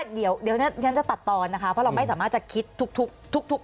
เดี๋ยวฉันจะตัดตอนนะคะเพราะเราไม่สามารถจะคิดทุก